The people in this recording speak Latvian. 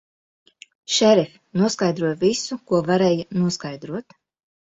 Šerif, noskaidroju visu, ko varēja noskaidrot.